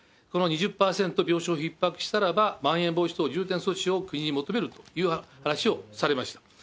この２０％病床ひっ迫したらば、まん延防止等重点措置を国に求めるという話をされました。